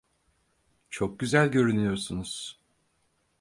Çok güzel görünüyorsunuz.